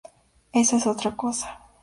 Eso es otra cosa.